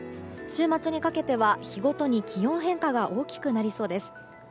週末にかけては日ごとに気温変化が大きくなりそうです。